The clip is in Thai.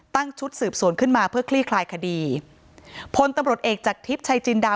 ชุดสืบสวนขึ้นมาเพื่อคลี่คลายคดีพลตำรวจเอกจากทิพย์ชัยจินดา